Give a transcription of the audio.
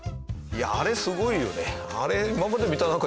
あれすごいよね。